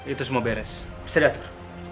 itu semua beres saya datur